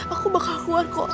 aku bakal keluar kok